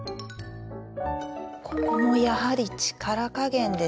ここもやはり力加減ですね。